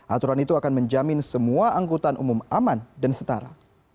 aturan itu akan menjamin semua angkutan umum aman dan setara